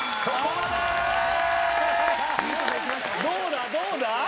どうだ？